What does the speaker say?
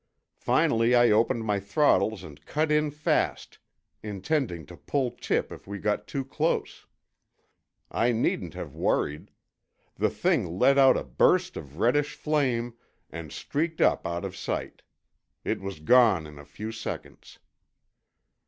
Finally, I opened my throttles and cut in fast, intending to pull tip if we got too close. I needn't have worried. The thing let out a burst of reddish flame and streaked up out of sight. It was gone in a few seconds."